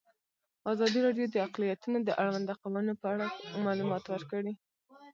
ازادي راډیو د اقلیتونه د اړونده قوانینو په اړه معلومات ورکړي.